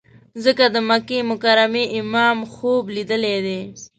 ځکه د مکې مکرمې امام خوب لیدلی دی.